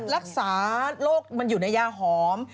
รักษาโรคมันอยู่ในยาหอม